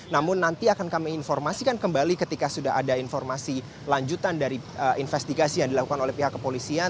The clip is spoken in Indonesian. namun nanti akan kami informasikan kembali ketika sudah ada informasi lanjutan dari investigasi yang dilakukan oleh pihak kepolisian